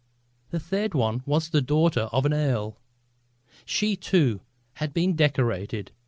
The third one was the daughter of an earl. She, too, had been decorated.